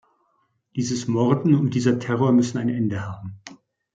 Dieses Morden und dieser Terror müssen ein Ende haben.